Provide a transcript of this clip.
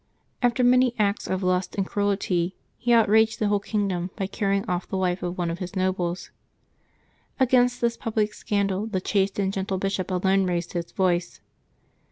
After many acts of lust and cruelty, he outraged the whole kingdom by carrying off the wife of one of his nobles. Against this public scandal the chaste and gentle bishop alone raised' his voice.